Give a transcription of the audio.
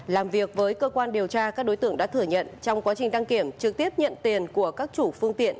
làm việc với cơ quan điều tra các đối tượng đã thừa nhận trong quá trình đăng kiểm trực tiếp nhận tiền của các chủ phương tiện